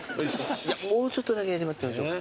もうちょっとだけ粘ってみましょう。